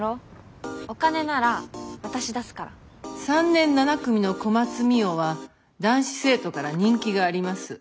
３年７組の小松澪は男子生徒から人気があります。